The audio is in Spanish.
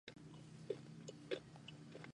Dirigida por Millicent Shelton.